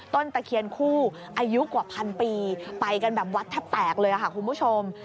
ตะเคียนคู่อายุกว่าพันปีไปกันแบบวัดแทบแตกเลยค่ะคุณผู้ชม